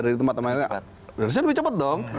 dari tempat tempat lain harusnya lebih cepat dong